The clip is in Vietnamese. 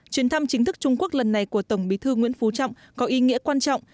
chuyến thăm chính thức trung quốc lần này của tổng bí thư nguyễn phú trọng có ý nghĩa quan trọng